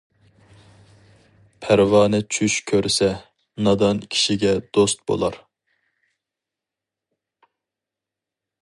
پەرۋانە چۈش كۆرسە، نادان كىشىگە دوست بولار.